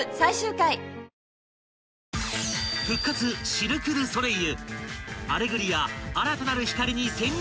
シルク・ドゥ・ソレイユ］